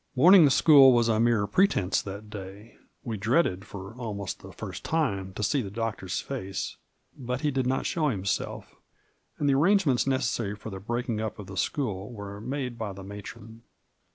Morning school was a mere pretense that day; we dreaded, for almost the first time, to see the Doctor's face, but he did not show himself, and the airangements necessary for the breaking up of the school were made by the matron.